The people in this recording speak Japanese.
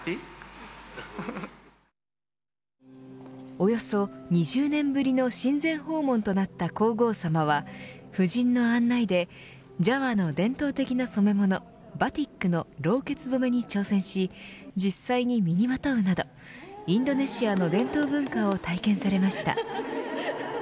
およそ２０年ぶりの親善訪問となった皇后さまは夫人の案内でジャワの伝統的な染め物バディックのろうけつ染めに挑戦し実際に身にまとうなどインドネシアの伝統文化を体験されました。